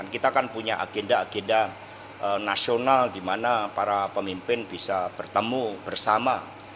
kita kan punya agenda agenda nasional di mana para pemimpin bisa bertemu bersama